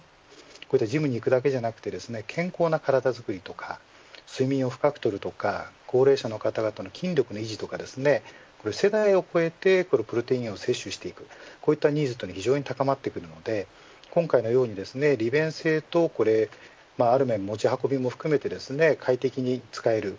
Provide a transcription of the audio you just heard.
ジムに行くだけではなくて健康な体作りとか睡眠を深く取るとか高齢者の方々の筋力の維持とか世代を超えてプロテインを摂取していくこういったニーズが高まってくるので今回のように利便性とある面、持ち運びも含めて快適に使える